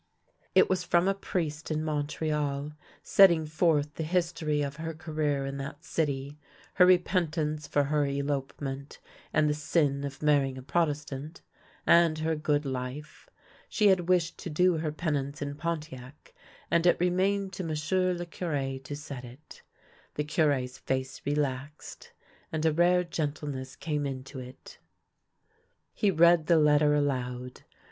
It was from a priest in Montreal, setting forth the history of her career in that city, her repentance for her elopement and the sin of marrying a Protestant, and her good life. She had wished to do her pe nance in Pontiac, and it remained to m'sieu' le Cure to set it. The Cure's face relaxed, and a rare gentleness came into it. He read the letter aloud.